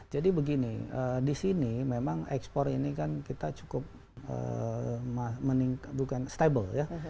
jadi begini disini ekspor ini kan kita cukup stable ya